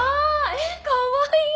えっかわいい！